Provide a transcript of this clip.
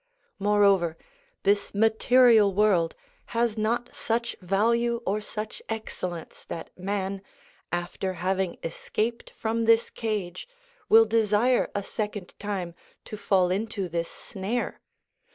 Moreover, this material world has not such value or such excellence that man, after having escaped from this cage, will desire a second time to fall into this snare.